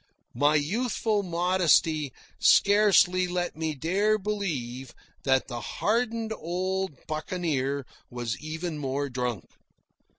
My youthful modesty scarcely let me dare believe that the hardened old buccaneer was even more drunk.